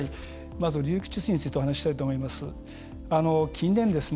まず流域治水についてお話したいと思います。